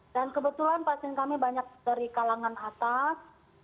dan kebetulan pasien kami banyak dari kalangan atas